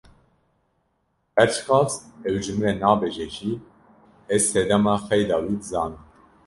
Her çi qas ew ji min re nabêje jî, ez sedema xeyda wî dizanim.